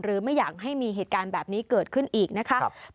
ไม่อยากให้มีเหตุการณ์แบบนี้เกิดขึ้นอีกนะคะ